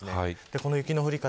この雪の降り方。